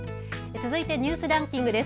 続いてニュースランキングです。